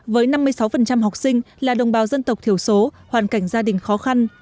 với năm mươi sáu học sinh là đồng bào dân tộc thiểu số hoàn cảnh gia đình khó khăn